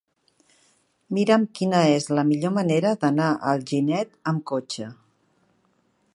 Mira'm quina és la millor manera d'anar a Alginet amb cotxe.